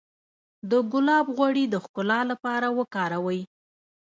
د ګلاب غوړي د ښکلا لپاره وکاروئ